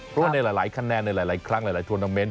เพราะว่าในหลายคะแนนในหลายครั้งหลายทัวน้องเมนต